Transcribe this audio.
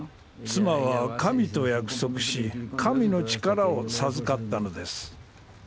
妻は神と約束し神の力を授かったのです。